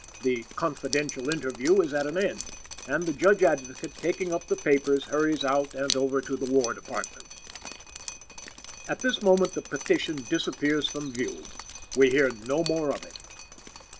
The "confidential interview" is at an end; and the Judge Advocate, taking up the papers, hurries out and over to the Department of War. At this moment the petition disappears from view. We hear no more of it.